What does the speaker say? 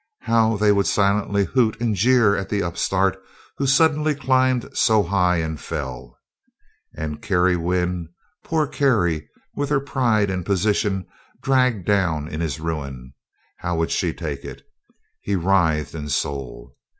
How they would silently hoot and jeer at the upstart who suddenly climbed so high and fell. And Carrie Wynn poor Carrie, with her pride and position dragged down in his ruin: how would she take it? He writhed in soul.